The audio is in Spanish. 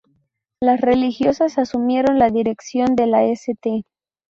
Las religiosas asumieron la dirección de la St.